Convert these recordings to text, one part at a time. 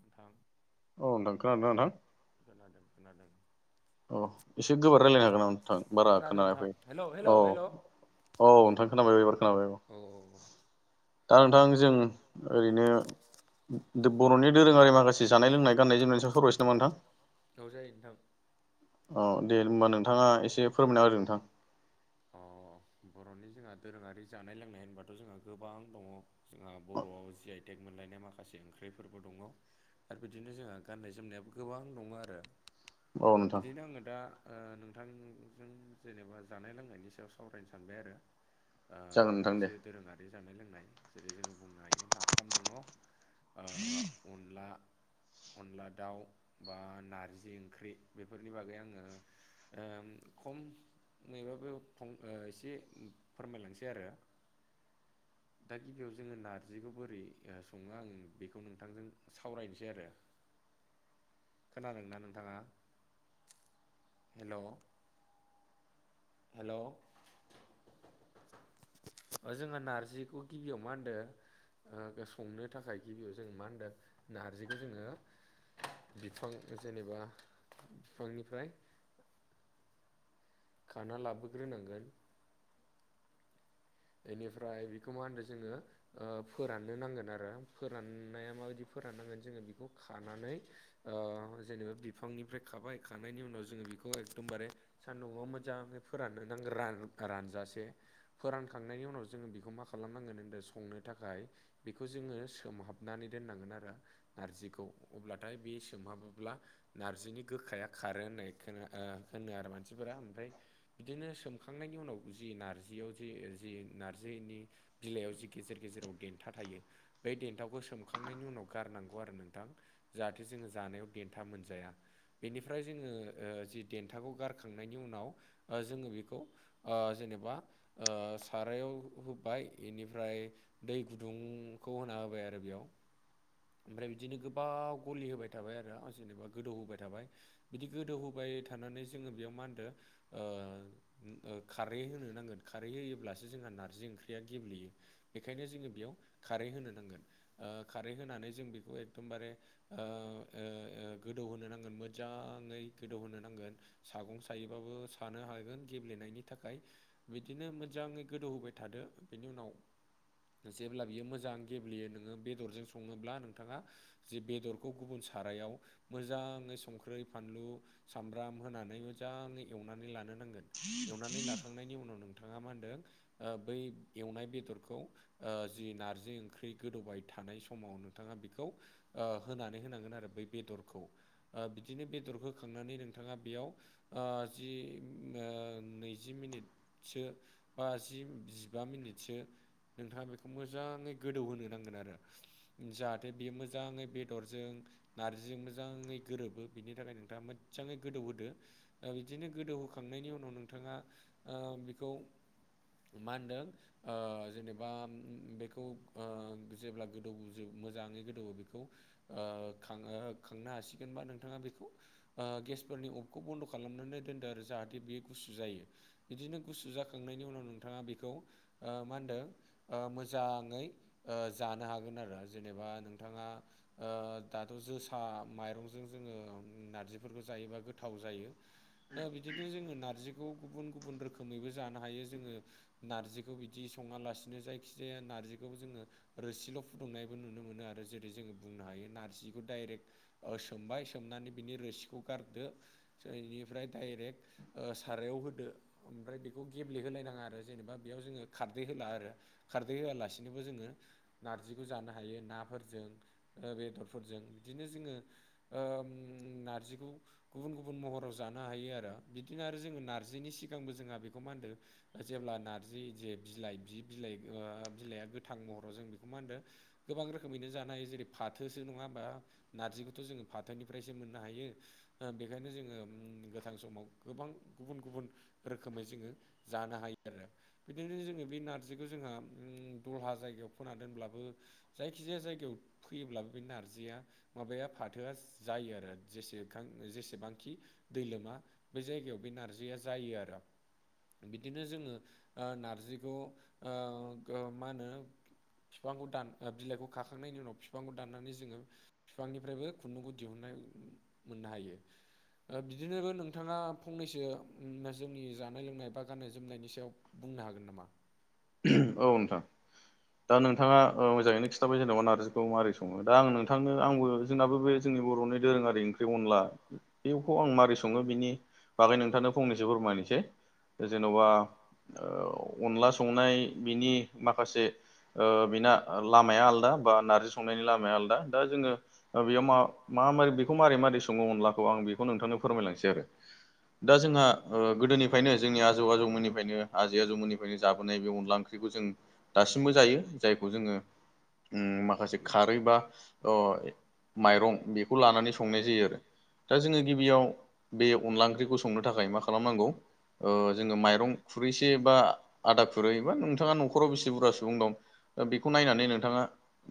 नोंथां औ नोंथां खोनादों ना नोंथां खोनादों खोनादों। औ एसे गोबोर रायजलायनो हागोन ना नोंथां बारा खोनानानै फै औ औ नोंथां खोनाबाय एबार खोनाबाय [inaudible] दा नोंथां जों ओरैनो बर'नि दोरोंङारि माखासे जानाय लोंनाय गाननाय जोमनाय सायाव सवरायनोसै नामा नोंथां जाव जायो नोंथां औ दे होनबा नोंथांङा एसे फोरमायना हो नोंथां बर'नि जोंहा दोरोङारि जानाय लोंनाय होनबाथ' जोंहा गोबां दङ जोंहा बर'आव जि आइ टेग मोनलायनाय माखासे ओंख्रिफोरबो दङ आरो बिदिनो जोंहा गाननाय जोमनायाबो गोबां नंङा आरो बिदिनो आंङो दा नोंथांजों जेनेबा जानाय लोंनायनि सायाव सावरायनो सानबाय आरो मोननैसो दोरोंङारि जानाय लोंनाय जेरै जोंङो बुंनो हायो नाफाम दंङ ओ अनला अनला दाउ बा नारजि ओंख्रि बेफोरनि बागै आङो ओ खम मैबाबो फं ओ एसे फोरमायलांसै आरो। [inaudible] दा गिबियाव जोंङो नार्जिखौ बोरै संङो आं बेखौ नोंथांजों सावरायनोसै आरो। [inaudible] खोनादोंना नोंथाङा? हेल' हेल'! ओ जोङो नारजिखौ गिबियाव मा होनदो? ओ संनो थाखाय गिबियाव जों मा होनदों नारजिखौ जोंङो बिफां जेनेबा बिफांनिफ्राय खाना लाबोग्रोनांगोन। बेनिफ्राय बेखौ मा होनदों जोङो ओ फोराननो नांगोन आरो फोराननाया माबायदि फोराननांगोन जोङो बेखौ खानानै ओ जेनेबा बिफांनिफ्राय खाबाय खानायनायनि उनाव जोङो बेखौ एखदमबारे सान्दुंआव मोजाङै फोराननो नांगौ रान रानजासे। फोरान खांनायनि उनाव जोङो बेखौ मा खालामनांगोन होनदो संनो थाखाय बेखौ जोङो सोमहाबनानै दोननांगोन आरो। नारजिखौ अब्लाथाय बे सोमहाबोब्ला। नारजिनि गोखाया खारो होननाय खोना होनो आरो मानसिफोरा ओमफ्राय। बिदिनो सोमखांनायनि उनाव जि नारजियाव जि जि नार्जिनि बिलाइयाव जि गेजेर गेजेराव देन्था थायो बे देन्थावखौ सोमखांनायनि उनाव गारनांगौ आरो नोंथां। जाहाथे जोङो जानायाव देन्था मोनजाया। बेनिफ्राय जोङो ओ जि देन्थाखौ गारखांनायनि उनाव ओ जोङो बेखौ ओ जेनोबा ओ सारायाव होबाय एनिफ्राय दै गुदुंखौ होना होबाय आरो बेयाव। ओमफ्राय बिदिनो गोबाव गलि होबाय थाबाय आरो जेनेबा गोदौ होबाय थाबाय। बिदि गोदौ होबाय थानानै जोङो बेयाव मा होनदो ओ ओ खारै होनो नांगोन खारै होयोब्लासो जोंहा नारजि ओंख्रिया गेब्लेयो। बेखायनो जोङो बेयाव खारै होनो नांगोन। खारै होनानै जों बेखौ एकदमबारे ओ ओ ओ गोदौहोनो नांगोन मोजाङै गोदौहोनो नांगोन सागं सायोबाबो सानो हागोन गेब्लेनायनि थाखाय। बिदिनो मोजाङै गोदौ होबाय थादो। बिनि उनाव जेब्ला बियो मोजां गेब्लेयो नोङो बेदरजों सङोब्ला नों थाङा जे बेदरखौ गुबुन सारायाव मोजाङै संख्रै फानलु सामब्राम होनानै मोजाङै एवनानै लानो नांगोन। एवनानै लाखांनायनि उनाव नोंथाङा मा होनदों ओ बै एवनाय बेदरखौ ओ जि नारजि ओंख्रि गोदौबाय थानाय समावनो थाङा बेखौ ओ होनानै होनांगोन आरो बै बेदरखौ। ओ बिदिनो बेदर होखांनानै नोंथाङा बेयाव ओ जि ओ नैजि मिनिटसो बाजि जिबा मिनिटसो नोंथाङा बेखौ मोजाङै गोदौ होनो नांगोन आरो। जाहाथे बियो मोजाङै बेदरजों नार्जिजों मोजाङै गोरोबो बिनि थाखाय नोंथाङा मोदजाङै गोदौहोदो। ओ बिदिनो गोदौहोखांनायनि उनाव नोंथाङा ओ बेखौ मा होनदों ओ जेनेबा बेखौ ओ जेब्ला गोदौ मोजाङै गोदौ बेखौ ओ खाङो खांनो हासिगोन बा नोंथाङा बेखौ ओ गेसफोरनि अभखौ बन्द' खालामनानै दोनदो आरो जाहाथे बेयो गुसु जायो। बिदिनो गुसु जाखांनायनि उनाव नोंथाङा बेखौ ओ मा होनदों ओ मोजाङै जानो हागोन आरो। जेनेबा नोंथाङा दाथ' जोसा माइरंजों जोङो नारजिफोरखौ जायोबा गोथाव जायो। ओ बिदिनो जोङो नारजिखौ गुबुन-गुबुन रोखोमैबो जानो हायो जोङो नारजिखौ बिदि सङालासिनो जायखि जाया नारजिखौ जोङो रोसिल' फुदुंनाय नुनो मोनो आरो जेरै जोङो बुंनो हायो नार्जिखौ डाइरेक्ट सोमबाय सोमनानै बिनि रोसिखौ गारदो, बेनिफ्राय डाइरेक्ट ओ सारायाव होदो ओमफ्राय बेखौ गेब्लेहोलायनाङा आरो जेनेबा बेयाव जोङो खारदै होला आरो। खारदै होआलासिनोबो जोङो नारजिखौ जानो हा थायो नाफोरजों बेदरफोरजों बिदिनो जोङो ओ नारजिखौ गुबुन-गुबुन महराव जानो हायो आरो बिदिनो आरो जोङो नारजिनि सिगांबो जोंहा बेखौ मा होनदों जेब्ला नार्जि जे बिलाइ बि बिलाइ बिलाइआ गोथां महराव जों बेखौ मा होनदों गोबां रोखोमैनो जानो हायो जेरै फाथोसो नङा होमबा, नारजिखौथ' जोङो फाथोनिफ्रायसो मोननो हायो। बेखायनो जोङो गोथां समाव गोबां गुबुन गुबुन रोखोमै जोङो जानो हायो आरो। बिदिनो जोङो बे नारजिखौ जोंहा दलहा जायगायाव फोना दोनब्लाबो जायखिजाया जायगायाव फैयोब्ला बे नारजिया माबाया फाथोआ जायो आरो जेसेखां जेसेबांखि दैलोमा, बे जायगायाव बे नारजिया जायो आरो। बिदिनो जोङो नारजिखौ मा होनो बिफांखौ दान बिलाइखौ खाखांनायनि उनाव बिफांखौ दाननानै जोङो बिफांनिफ्रायबो खुन्दुंखौ दिहुननाय मोननो हायो। बिदिनोबो नोंथाङा फंनैसो जोंनि जानाय लोंनाय बा गाननाय जोमनायनि सायाव बुंनो हागोन नामा। औ नोंथां। दा नोंथाङा मोजाङैनो खिन्थाबाय जेनेबा नारजि खौ माबोरै सङो दा आं नोंथांनो आंबो जोंनाबो बे जोंनि बर'नि दोरोङारि ओंख्रि अनला बेखौ आं माबोरै सङो बेनि बागै नोंथांनो फंनैसो फोरमायनोसै। जेन'बा अनला संनाय बिनि माखासे ओ बिना लामाया आलदा बा नारजि सं- संनायनि लामाया आलदा दा जोङो बेयो मा मा बेखौ मारै-मारै सङो अनलाखौ आं बेखौ नोंथांनो फोरमायलांसै आरो दा जोंहा ओ गोदोनिफ्रायनो जोंनि आजौ आजौमोननिफ्रायनो आजै आजौमोननिफ्रायनो जाबोनाय बे अनला ओंख्रिखौ जों दासिमबो जायो जायखौ जोङो, मा माखासे खारै बा अ माइरं बेखौ लानानै संनाय जायो आरो। दा जोङो गिबियाव बे अनला ओंख्रिखौ संनो थाखाय मा खालामनांगौ जोङो माइरं खुरैसे बा आदा खुरैबा नोंथाङा न'खराव बेसे बुरजा सुबुं दं दा बेखौ नायनानै नोंथाङा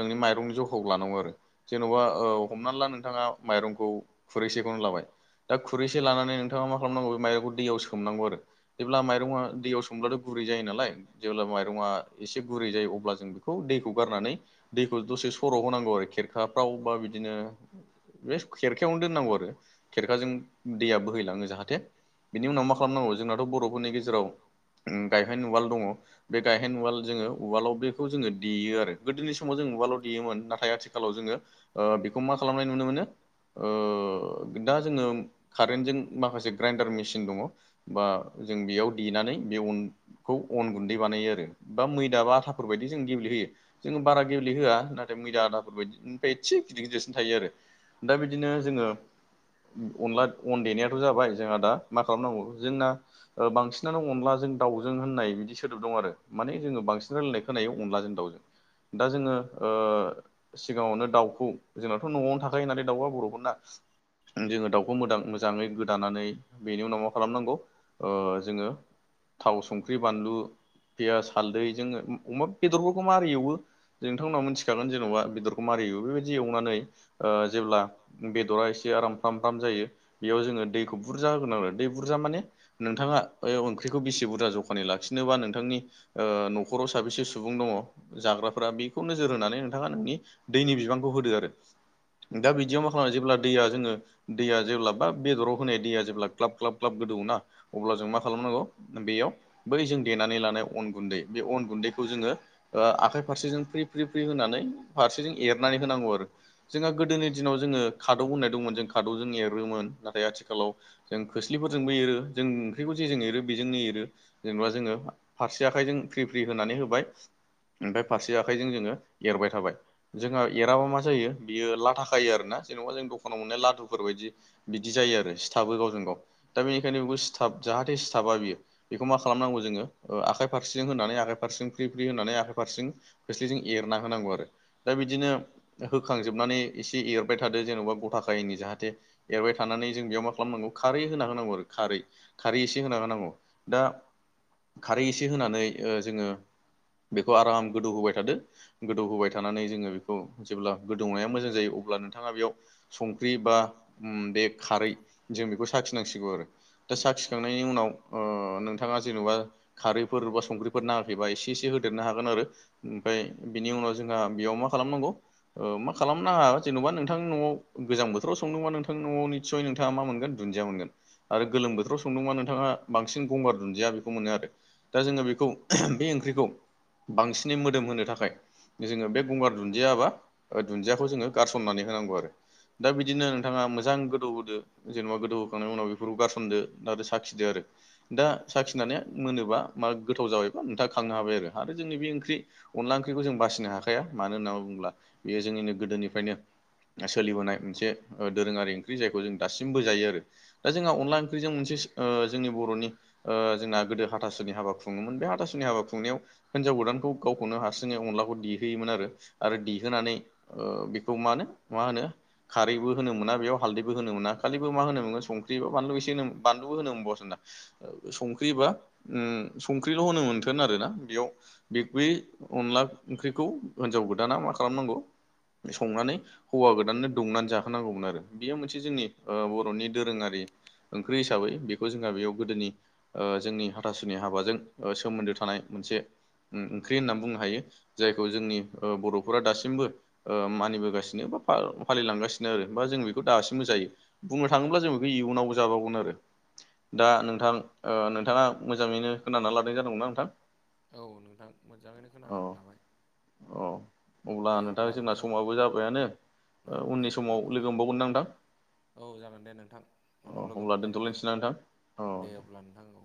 नोंनि माइरंनि जखाखौ लानांगौ आरो। जेन'बा ओ हमनानै ला नोंथाङा माइरंखौ खुरैसेखौनो लाबाय दा खुरैसे लानानै नोंथाङा मा खालामनांगौ बे माइरंखौ दैयाव सोमनांगौ आरो। जेब्ला माइरङा दैयाव सोमब्लाथ' गुरै जायो नालाय, जेब्ला माइरङा एसे गुरै जायो अब्ला जों बेखौ दैखौ गारनानै दैखौ दसे सर' होनांगौ आरो खेरखाफ्राव बा बिदिनो बे खेरखायावनो दोननांगौ आरो खेरखाजों दैया बोहैलाङो जाहाथे बिनि उनाव मा खालामनांगौ जोंनाथ' बर'फोरनि गेजेराव गायहेन उवाल दङ। बे गायहेन उवाल जोङो उवालाव बेखौ जोङो देयो आरो गोदोनि समाव जों उवालाव देयोमोन नाथाय आथिखालाव जोङो ओ बेखौ मा खालामनाय नुनो मोनो दा जोङो कारेन्टजों माखासे ग्राइन्डार मेसिन दङ बा जों बेयाव देनानै बे अनखौ अन गुन्दै बानायो आरो, बा मैदा बा आथाफोर बायदि जों गेब्लेहोयो। जोङो बारा गेह होआ नाथाय मैदा आथाफोर बायदिनिफ्राय एसे गिदिर गिदिरसिन थायो आरो दा बिदिनो जोङो अनला अन देनायाथ' जाबाय जोंहा दा मा खालामनांगौ जोंना बांसिनानो अनला जों दावजों होन्नाय बिदि सोदोब दं आरो माने जोङो बांसिन रायलायनाय खोनायो अनलाजों दावजों दा जोङो ओ सिगाङावनो दाउखौ जोंनाथ' न'आवनो थाखायो होनालाय दाउआ बर'फोरना। जोङो दाउ खौ मोदां मोजाङै गोदानानै बेनि उनाव मा खालामनांगौ ओ जोङो थाव संख्रि बानलु पियास हालदै जोङो अमा बेदरफोरखौ माबारोरै एवो नोंथांमोननाव मोनथिखागोन जेन'बा बेदरखौ मारियो बेबायदि एवनानै जेब्ला बेदरा एसे आराम फ्राम फ्राम जायो, बेयाव जोङो दैखौ बुरजा होगोनां आरो आरो दै बुरजा माने नोंथाङा ओंख्रिखौ बेसेबां जि बुरजा जखानाय लाखिनोबा नोंथांनि न'खराव साबेसे सुबुं दङ जाग्राफोरा बेखौ नोजोर होनानै नोंथाङा नोंनि दैनि बिबांखौ होदो आरो दा बिदियाव मा खालामो जेब्ला दैया जोङो दैया जेब्ला बा बेदराव होनाय दैया जेब्ला ग्लाब ख्लाब ग्लाब गोदौ ना अब्ला जों मा खालामनांगौ बेयाव बै जों देनानै लानाय अन गुन्दै बे अन गुन्दैखौ जोङो आखाइ फारसेजों फ्रि फ्रि फ्रि होनानै फारसेजों एरनानै होनांगौ आरो जोंहा गोदोनि दिनाव जोङो खादौ होननाय दंमोन जों खाद औ जोनिया नाथाय आथिखालाव खोसलिफोरजोंबो एरो जों ओंख्रिखौ जों एरो बेजोंनो एरो जेनेबा जोङो फारसे आखाइजों फ्रि फ्रि होनानै होबाय ओमफ्राय फारसे आखाइजों जोङो एरबाय थाबाय जोंहा एराबा मा जायो बियो ला थाखायो आरोना जेनेबा जों दखानाव मोननाय लादुफोर बायदि बिदि जायो आरो सिथाबो गावजों गाव दा बेनिखायनो बेखौ सिथाब जाहाथे यो बेखौ मा खालामनांगौ जोङो आखाइ फारसेजों होननानै आखाइ फारसे फ्रि फ्रि होननानै आखाइ फारसें खोस्लिजों एरना होनांगौ आरो दा बिदिनो होखांजोबनानै एसे एरबाय थादो जेन'बा गथा जाहाथे एबाय थानानै जों बेयाव मा खालामनांगौ खारै होना होनांगौ आरो खारै खारै एस दा खारै एसे होनानै जोङो बेखौ आराम गोदौ होबाय थादो गोदौ होबाय थानानै जोङो बेखौ जेब्ला गोदौनाया मोजां जायो अब्ला नोंथाङा बेयाव फख्रि बा बे खारै जों बेखौ साखिनांसिगौ आरो दा साखि सांनायनि उनाव नोंथाङा जेन'बा खारैफोर बा संख्रिफोर नाङाखैबा एसे एसे होदेरनो हागोन आरो ओफाय बिनि उनाव जोंहा बेयाव मा खालामनांगौ मा खालामनााङा जेन'बा नोंथांनि न'आव गोजां बोथोराव सदोंबा नोंथां न'आव निस्सय नोंथांङा मा मोनोन दुन्दिया मोनोन आरो गोलोम बोथाव स नोंथाङा बांसिन गंगार दुन्दिया बेखौ मोनो आरो दा जोङो बेखौ बे ओंख्रिखौ बांसिनै मोदोम होनो थाखाय जोङो बे गंगार दुन्दिया बा दुन्दियाखौ जोङो गारसननानै होनांगौ आरो दा बिदिनो नोंथाङा मोजां गोदौ होदो जेनेबा गोदौ होखांनायनि उनाव बेफोरखौ गारसनदो साखिदो आरो दा साखिनानै मोनोबा मा गोथाव जाबायबा नोंथाङा खांनो हाबाय आरो आरो जोंनि बे ओंख्रि अनला ओंख्रिखौ जों बासिनो हाखाया मानो होनना बुङोब्ला बेयो जोंनिनो गोदोनिफ्रायनो सोलिबोनाय मोनसे दोरोङारि ओंख्रि जायखौ जों दासिमबो जायो आरो दा जोंहा अनलाओंख्रि जों मोनसे ओ जोंनि बर'नि जोंना गोदो हाथासुनि हाबा खुङोमोन बे हाथासुनि हाबा खुंनायाव हिनजाव गोदानखौ गावखौनो हारसिङै अनलाखौ देहोयोमोन आरो दे देहोनानै बेखौ मानो मा होनो खारैबो होनो मोना बेयाव हालदैबो होनो मोना खालिबो मा होनो मोनोन संख्रि बा बानलु एसे होनो मोन बालु होनो मोनबावासोमोन दा संख्रि बा उम संख्रिल' मोनोथो आरोना बे बैअनला ओंख्रिखौ हिनजाव गोदाना मा खालामनांगौ संनानै हौवा गोदाननो दौनानै जाहोनांगौमोन आरो बेयो मोनसे जोंनि ओ बर'नि दोरोङारि ओंख्रि हिसाबै बेखौ जोंहा बेयाव गोदोनि ओ जोंनि हाथासुनि हाबाजों सोमोन्दो थानाय मोनसे ओंख्रि होनना बुंनो हायो जायखौ जोंनि बर'फोरा दासिमबो ओ मानिबोगासिनो बा फालिलांगासिनो आरो बा जों बे खौ दासिमबो जायो बुंनो थाङोब्ला जों बेखौ इयुनावबो जाबावगोन आरो दा नोंथां ओ नोंथाङा मोजाङैनो खोना लादों जानांगौना नोंथां औ नोंथां मोजाङैनो खोनानानै लाबाय औ अब्ला नोंथां जोंना समाबो जाबायानो ओ उननि समाव लोगो मोनबावगोनदां नोंथां औ जागोन दे नोंथां उनाव लोगो मोनलायगोन दे दे अब्ला नोंथां औ